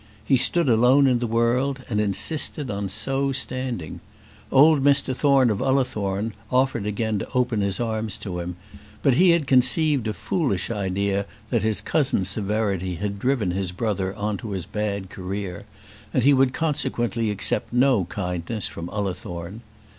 He stood alone in the world, and insisted on so standing. Old Mr Thorne of Ullathorne offered again to open his arms to him; but he had conceived a foolish idea that his cousin's severity had driven his brother on to his bad career, and he would consequently accept no kindness from Ullathorne.